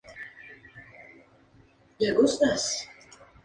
En el verano, sin embargo, esta inflamaciones se ponen de color verde.